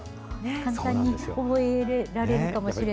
簡単に覚えられるかもしれないです。